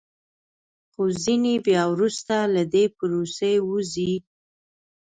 خو ځینې بیا وروسته له دې پروسې وځي